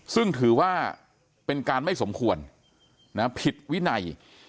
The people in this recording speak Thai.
ซึ่งถือว่าเป็นการไม่สมควรผิดวินัย